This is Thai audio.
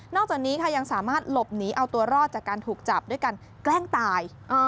จากนี้ค่ะยังสามารถหลบหนีเอาตัวรอดจากการถูกจับด้วยการแกล้งตาย